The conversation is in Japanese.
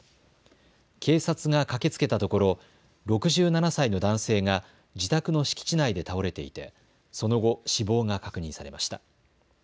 警察が駆けつけたところ６７歳の男性が自宅の敷地内で倒れていてその後、死亡が確認されました。